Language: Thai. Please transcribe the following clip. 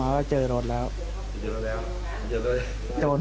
ไม่เห็นแล้วครับ